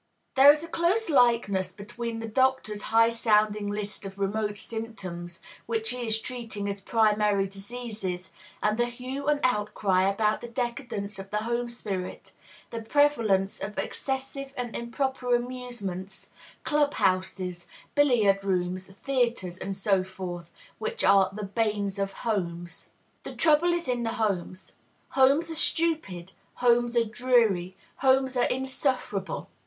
There is a close likeness between the doctor's high sounding list of remote symptoms, which he is treating as primary diseases, and the hue and outcry about the decadence of the home spirit, the prevalence of excessive and improper amusements, club houses, billiard rooms, theatres, and so forth, which are "the banes of homes." The trouble is in the homes. Homes are stupid, homes are dreary, homes are insufferable.